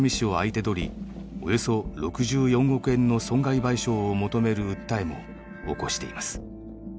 およそ６４億円の損害賠償を求める訴えも起こしています。